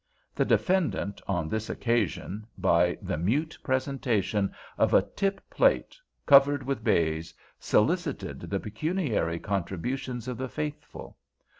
The defendant, on this occasion, by the mute presentation of a tip plate covered with baize, solicited the pecuniary contributions of the faithful.